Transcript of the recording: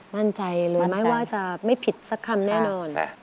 มั่นใจเลยไม่ว่าจะไม่ผิดสักคำแน่นอน